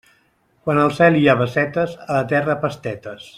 Quan al cel hi ha bassetes, a la terra, pastetes.